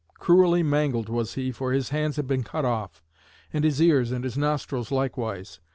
Cruelly mangled was he, for his hands had been cut off, and his ears and his nostrils likewise.